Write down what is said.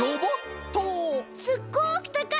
すっごくたかい！